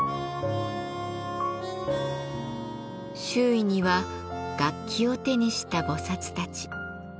周囲には楽器を手にした菩薩たち。